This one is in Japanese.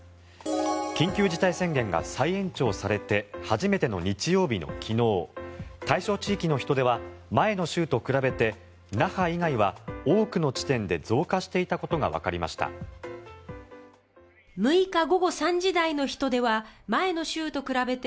緊急事態宣言が再延長されて初めての日曜日の昨日対象地域の人出は前の週と比べて那覇以外は多くの地点で増加していたことがわかりました。